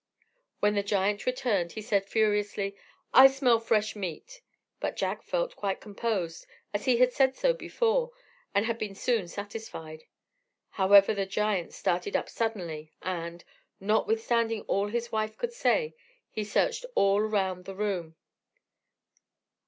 When the giant returned, he said furiously, "I smell fresh meat!" But Jack felt quite composed, as he had said so before, and had been soon satisfied. However, the giant started up suddenly, and, notwithstanding all his wife could say, he searched all round the room.